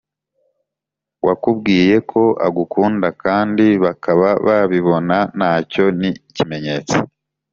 wakubwiye ko agukunda kandi bakaba babibona nacyo ni ikimenyetso.